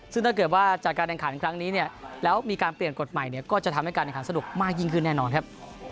ซึ่งถ้าเกิดว่าจากการแข่งขันครั้งนี้เนี่ยแล้วมีการเปลี่ยนกฎใหม่เนี่ยก็จะทำให้การแข่งขันสนุกมากยิ่งขึ้นแน่นอนครับ